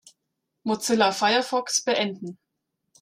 Mozilla Firefox beenden.